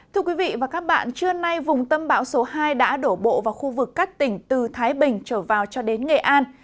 thưa quý vị và các bạn trưa nay vùng tâm bão số hai đã đổ bộ vào khu vực các tỉnh từ thái bình trở vào cho đến nghệ an